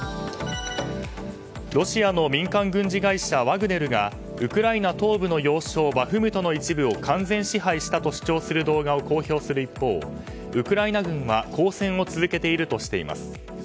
ロシアの民間軍事会社ワグネルがウクライナ東部の要衝バフムトの一部を完全支配したと主張する動画を公表する一方ウクライナ軍は抗戦を続けているとしています。